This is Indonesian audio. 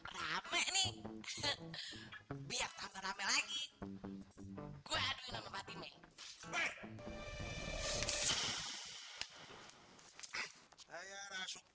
rame nih biar takut rame lagi